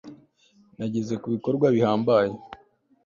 nageze ku bikorwa bihambaye